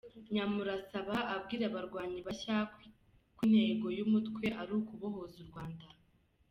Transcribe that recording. Nyamusaraba abwira abarwanyi bashya ko intego y’uwo mutwe ari ukubohoza u Rwanda.